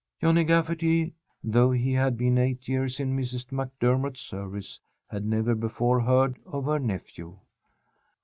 Johnny Gafferty, though he had been eight years in Mrs. MacDermott's service, had never before heard of her nephew.